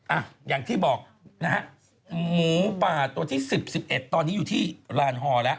อ่ะอย่างที่บอกนะฮะหมูป่าตัวที่สิบสิบเอ็ดตอนนี้อยู่ที่ลานฮอแล้ว